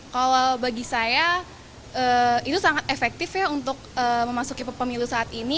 kalau bagi saya itu sangat efektif ya untuk memasuki pemilu saat ini